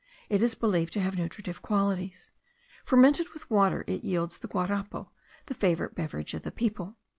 It is believed to have nutritive qualities. Fermented with water it yields the guarapo, the favourite beverage of the people.